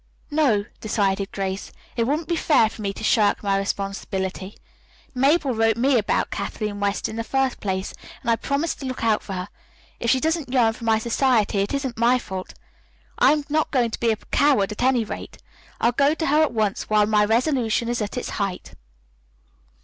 "No," decided Grace, "it wouldn't be fair for me to shirk my responsibility. Mabel wrote me about Kathleen West in the first place, and I promised to look out for her. If she doesn't yearn for my society, it isn't my fault. I'm not going to be a coward, at any rate. I'll go at once, while my resolution is at its height.